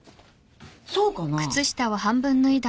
そうかな。